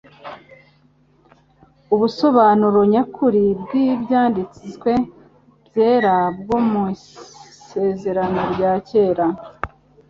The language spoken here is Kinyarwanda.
Ubusobanuro nyakuri bw'Ibyanditswe byera bwo mu Isezerano rya Kera